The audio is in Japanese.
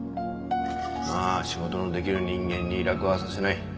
まあ仕事のできる人間に楽はさせない。